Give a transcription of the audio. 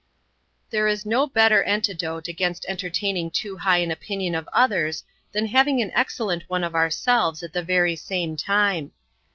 There is no better antidote against entertaining too high an opinion of others than having an excellent one of ourselves at the very same time.